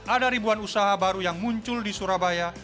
ada ribuan usaha baru yang muncul di surabaya